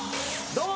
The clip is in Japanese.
どうも。